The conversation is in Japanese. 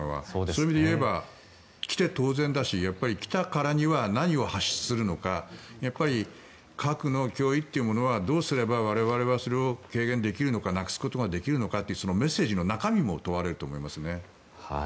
そういう意味で言えば来て当然だし、来たからには何を発信するのか核の脅威っていうものはどうすれば我々はそれを軽減できるのかなくすことができるのかというそのメッセージの中身も問われると思いますね。